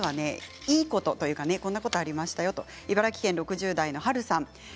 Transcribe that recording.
いいこと、こんなことがありましたということで茨城県６０代の方です。